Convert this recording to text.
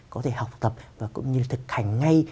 có thể học tập và cũng như thực hành ngay